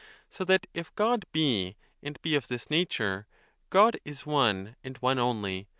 So that if God be, and be of this nature, God is one and one only.